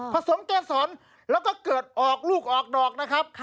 สมเกษรแล้วก็เกิดออกลูกออกดอกนะครับ